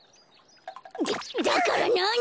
だだからなに！？